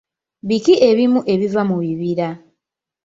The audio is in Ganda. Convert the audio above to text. Biki ebimu ebiva mu bibira?